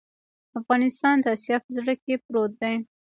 افغانستان د اسیا په زړه کې پروت دی